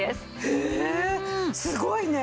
へえすごいね！